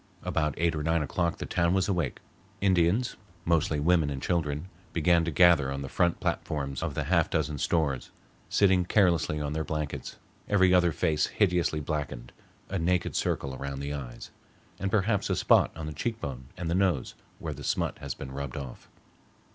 About eight or nine o'clock the town was awake. Indians, mostly women and children, began to gather on the front platforms of the half dozen stores, sitting carelessly on their blankets, every other face hideously blackened, a naked circle around the eyes, and perhaps a spot on the cheek bone and the nose where the smut has been rubbed off.